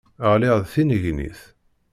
Ɣliɣ d tinnegnit.